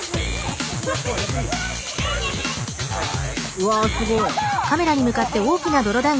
うわすごい。